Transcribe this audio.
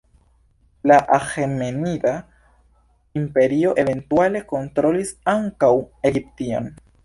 La Aĥemenida Imperio eventuale kontrolis ankaŭ Egiption.